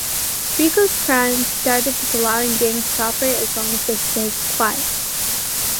Rico's crimes started with allowing gangs to operate as long as they stayed 'quiet'.